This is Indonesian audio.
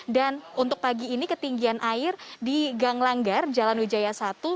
dan untuk pagi ini ketinggian air di ganglanggar jalan wijaya satu